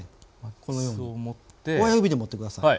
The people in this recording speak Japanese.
このように親指で持って下さい。